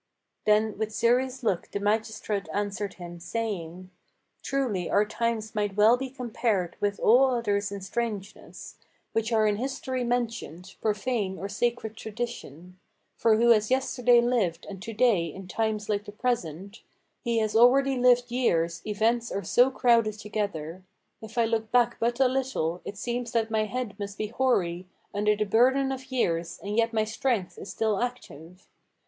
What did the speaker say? Then with serious look the magistrate answered him, saying: "Truly our times might well be compared with all others in strangeness, Which are in history mentioned, profane or sacred tradition; For who has yesterday lived and to day in times like the present, He has already lived years, events are so crowded together. If I look back but a little, it seems that my head must be hoary Under the burden of years, and yet my strength is still active.